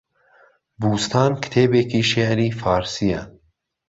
بووستان، کتێبێکی شێعری فارسییە